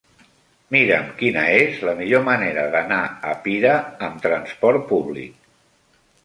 Mira'm quina és la millor manera d'anar a Pira amb trasport públic.